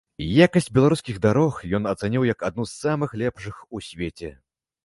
Якасць беларускіх дарог ён ацаніў як адну з самых лепшых у свеце.